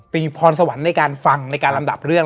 มีพรสวรรค์ในการฟังในการลำดับเรื่อง